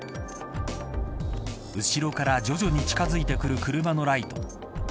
後ろから徐々に近づいてくる車のライト。